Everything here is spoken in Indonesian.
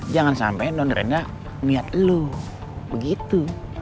jangan sampai don rena melihat lo begitu